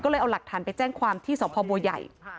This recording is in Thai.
ก็เลยเอาหลักฐานไปแจ้งความที่สพบัวใหญ่